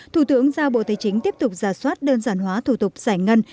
thủ tướng giao bộ tây chính tiếp tục giả soát đơn giản hóa thủ tục giải ngân